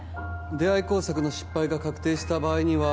「出会工作」の失敗が確定した場合には